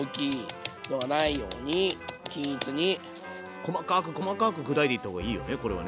細かく細かく砕いていった方がいいよね